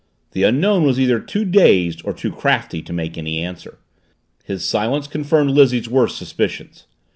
The Unknown was either too dazed or too crafty to make any answer. His silence confirmed Lizzie's worst suspicions.